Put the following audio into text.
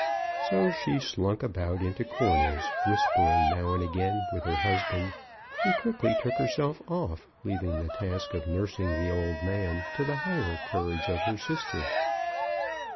So she slunk about into corners, whispering now and again with her husband, and quickly took herself off, leaving the task of nursing the old man to the higher courage of her sister.